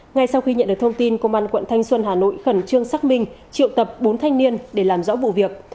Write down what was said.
ngay sau khi nhận được thông tin công an quận thanh xuân hà nội khẩn trương xác minh triệu tập bốn thanh niên để làm rõ vụ việc